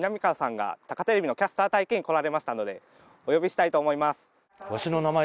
がたかテレビのキャスター体験に来られましたのでお呼びしたいと思います。